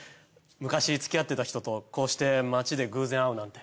昔付き合ってた人とこうして街で偶然会うなんて。